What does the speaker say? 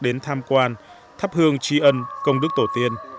đến tham quan thắp hương tri ân công đức tổ tiên